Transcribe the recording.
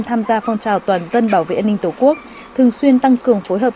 tham gia phong trào toàn dân bảo vệ an ninh tổ quốc thường xuyên tăng cường phối hợp